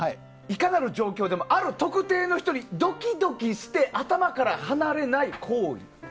いかなる状況でもある特定の人にドキドキして頭から離れない行為。